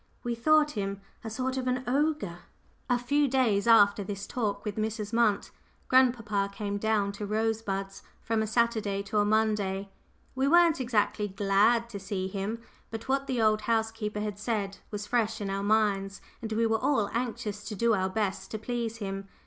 We thought him a sort of an ogre." A few days after this talk with Mrs. Munt, grandpapa came down to Rosebuds from a Saturday to a Monday. We weren't exactly glad to see him, but what the old housekeeper had said was fresh in our minds, and we were all anxious to do our best to please him.